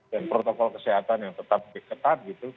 dan protokol kesehatan yang tetap diketat